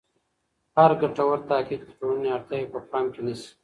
هر ګټور تحقیق د ټولني اړتیاوې په پام کي نیسي.